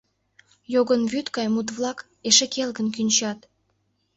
Йогын вӱд гай мут-влак Эше келгын кӱнчат.